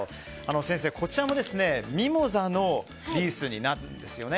先生、こちらもミモザのリースになるんですよね。